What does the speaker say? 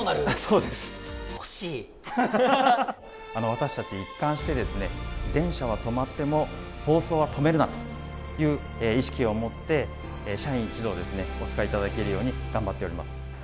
私たち一貫して「電車が止まっても放送は止めるな！」という意識を持って社員一同ですねお使いいただけるように頑張っております。